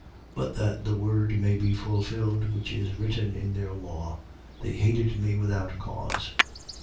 15:25. But that the word may be fulfilled which is written in their law: they hated me without cause.